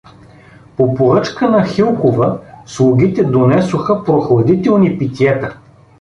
По поръчка на Хилкова слугите донесоха прохладителни питиета.